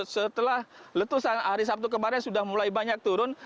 setelah letusan hari sabtu kemarin sudah mulai banyak turun